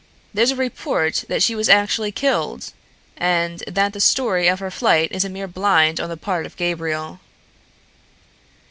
There's a report that she was actually killed, and that the story of her flight is a mere blind on the part of Gabriel."